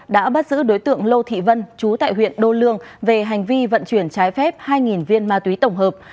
đã bắt giữ đối tượng lô thị vân chú tại huyện đô lương về hành vi vận chuyển trái phép hai viên ma túy tổng hợp